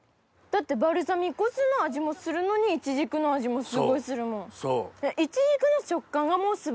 だってバルサミコ酢の味もするのにイチジクの味もすごいするもん。